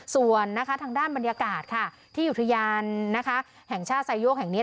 ส่วนนะคะทางด้านบรรยากาศค่ะที่อุทยานนะคะแห่งชาติไซโยกแห่งนี้